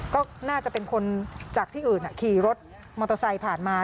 ก็น่าจะเป็นคนจากที่อื่นขี่รถมอเตอร์ไซค์ผ่านมา